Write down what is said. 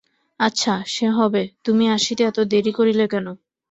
আচ্ছা, সে হবে, তুমি আসিতে এত দেরি করিলে কেন?